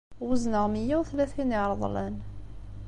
Wezneɣ meyya u tlatin n yireḍlen.